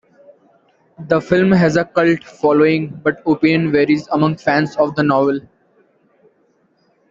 The film has a cult following but opinion varies among fans of the novel.